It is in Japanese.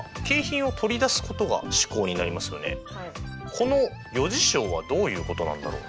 この余事象はどういうことなんだろうな？